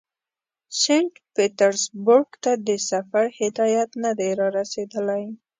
سینټ پیټرزبورګ ته د سفر هدایت نه دی را رسېدلی.